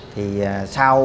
thì sau đến